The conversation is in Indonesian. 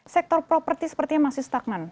sektor properti sepertinya masih stagnan